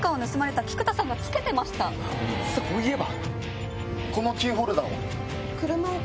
そういえば！